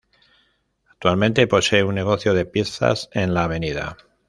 Actualmente posee un negocio de pizzas en la Av.